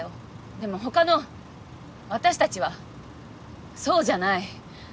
でも他の私たちはそうじゃない。